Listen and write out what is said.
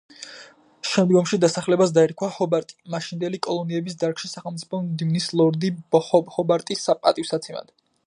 შემდგომში დასახლებას დაერქვა ჰობარტი, მაშინდელი კოლონიების დარგში სახელმწიფო მდივნის ლორდი ჰობარტის პატივსაცემად.